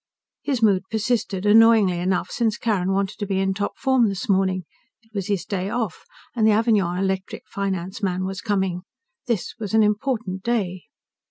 His mood persisted, annoyingly enough since Carrin wanted to be in top form this morning. It was his day off, and the Avignon Electric finance man was coming. This was an important day.